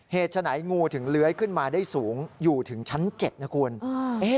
เหตุไฉนงูถึงเล้ยขึ้นมาได้สูงอยู่ถึงชั้น๗นะครับคุณ